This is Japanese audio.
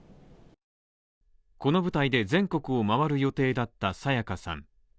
この舞台で全国を回る予定だった沙也加さん。